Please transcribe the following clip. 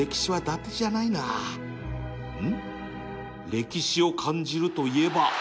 歴史を感じるといえば